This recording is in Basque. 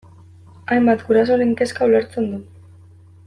Hainbat gurasoren kezka ulertzen du.